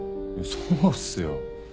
そうっすよ。